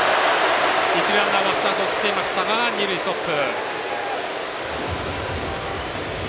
一塁ランナーはスタートを切っていましたが二塁ストップ。